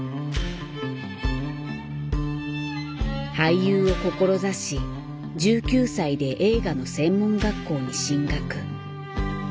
俳優を志し１９歳で映画の専門学校に進学。